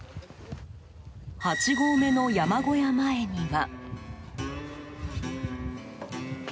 ８合目の山小屋前には。